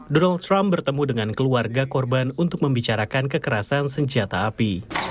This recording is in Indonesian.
donald trump bertemu dengan keluarga korban untuk membicarakan kekerasan senjata api